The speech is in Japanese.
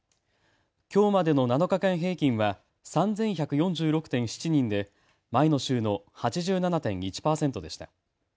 きょうまでの７日間平均は３１４６．７人で前の週の８７．１％でした。